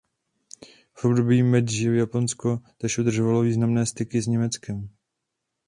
V období Meidži Japonsko též udržovalo významné styky s Německem.